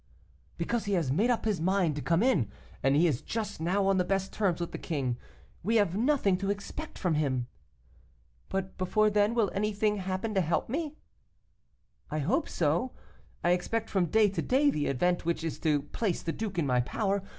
'Because he has made up his mind to come in, and he is just now on the best terms with the king; we have nothing to expect from him.' 'But before then will anything happen to help me?' 'I hope so. I expect from day to day the event which is to place the duke in my power.